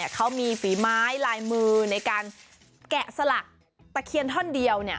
เขามีฝีไม้ลายมือในการแกะสลักตะเคียนท่อนเดียว